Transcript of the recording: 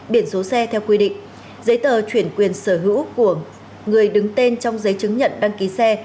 biển số xe theo quy định giấy tờ chuyển quyền sở hữu của người đứng tên trong giấy chứng nhận đăng ký xe